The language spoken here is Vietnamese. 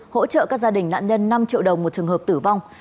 hỗ trợ các gia đình nạn nhân năm triệu đồng một trường hợp tử vong